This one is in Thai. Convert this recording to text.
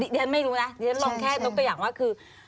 ดินไม่รู้นะดินลองแค่นกตัวอย่างว่าคือ